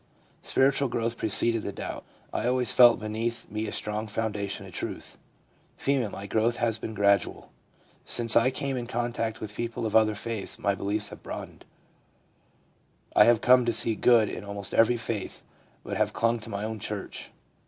Spiritual growth preceded the doubt. I always felt beneath me a strong foundation of truth/ F. * My growth has been gradual. Since I came in contact with people of other faiths my beliefs have broadened ; I have come to see good in almost every faith, but have clung to my own church.